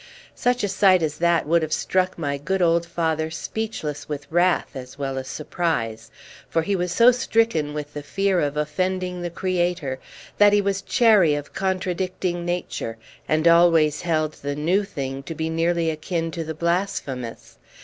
Such a sight as that would have struck my good old father speechless with wrath as well as surprise; for he was so stricken with the fear of offending the Creator that he was chary of contradicting Nature, and always held the new thing to be nearly akin to the blasphemous.